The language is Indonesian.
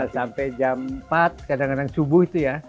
sampai jam empat kadang kadang subuh itu ya